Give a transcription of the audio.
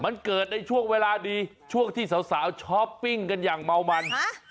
มันเกิดในช่วงเวลาดีช่วงที่สาวช้อปปิ้งกันอย่างเมามัน